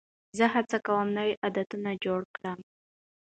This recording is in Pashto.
زه هڅه کوم نوی عادت جوړ کړم.